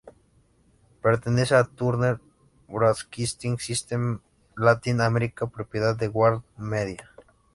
Pertenece a Turner Broadcasting System Latin America, propiedad de WarnerMedia.